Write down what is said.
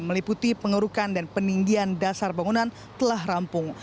meliputi pengerukan dan peninggian dasar bangunan telah rampung